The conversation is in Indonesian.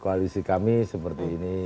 koalisi kami seperti ini